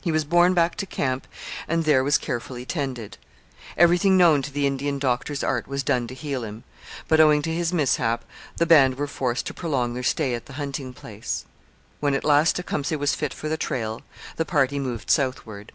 He was borne back to camp, and there was carefully tended. Everything known to the Indian doctor's art was done to heal him, but owing to his mishap the band were forced to prolong their stay at the hunting place. When at last Tecumseh was fit for the trail the party moved southward.